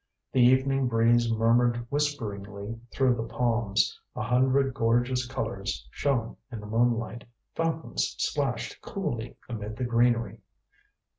The evening breeze murmured whisperingly through the palms, a hundred gorgeous colors shone in the moonlight, fountains splashed coolly amid the greenery.